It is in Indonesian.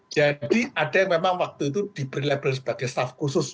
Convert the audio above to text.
jadi ada yang memang waktu itu diberi label sebagai staff khusus